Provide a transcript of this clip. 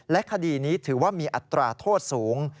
และคดีนี้ถือว่ามีอัตราโทษสูง